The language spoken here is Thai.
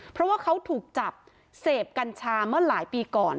เพราะว่าเขาถูกจับเสพกัญชาเมื่อหลายปีก่อน